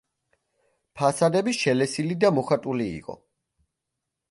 ფასადები შელესილი და მოხატული იყო.